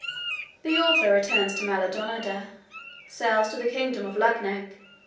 The author returns to Maldonada. Sails to the kingdom of Luggnagg.